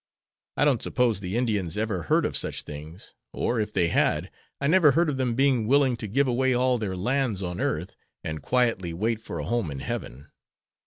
I don't suppose the Indians ever heard of such things, or, if they had, I never heard of them being willing to give away all their lands on earth, and quietly wait for a home in heaven."